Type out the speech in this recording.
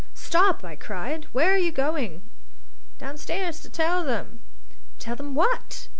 "Stop!" I cried. "Where are you going?" "Downstairs to tell them." "Tell them what?"